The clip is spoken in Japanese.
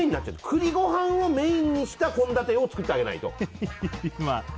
栗ご飯をメインにした献立を作ってあげないと。